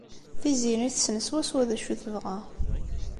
Tiziri tessen swaswa d acu i tebɣa.